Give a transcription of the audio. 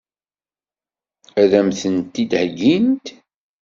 Ad m-tent-id-heggint?